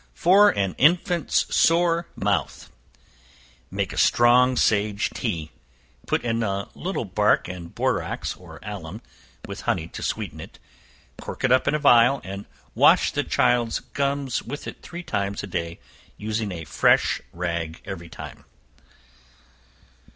For an Infant's Sore Mouth. Make a strong sage tea; put in a little bark and borax or alum, with honey to sweeten it; cork it up in a vial, and wash the child's gums with it three times a day, using a fresh rag every time.